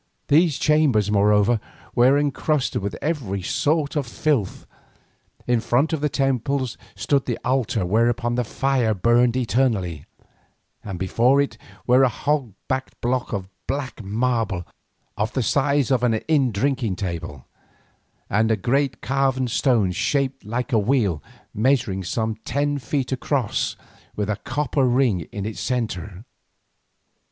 These chambers, moreover, were encrusted with every sort of filth. In front of the temples stood the altar whereon the fire burned eternally, and before it were a hog backed block of black marble of the size of an inn drinking table, and a great carven stone shaped like a wheel, measuring some ten feet across with a copper ring in its centre.